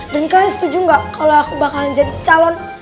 dan kalian setuju gak kalo aku bakalan jadi calon